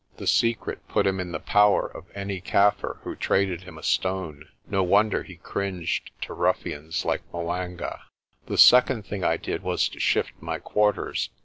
The secret put him in the power of any Kaffir who traded him a stone. No wonder he cringed to ruffians like 'Mwanga. The second thing I did was to shift my quarters.